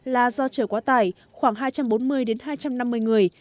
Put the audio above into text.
là do trở quá tải khoảng hai trăm bốn mươi hai trăm năm mươi người